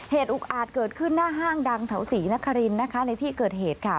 อุกอาจเกิดขึ้นหน้าห้างดังแถวศรีนครินนะคะในที่เกิดเหตุค่ะ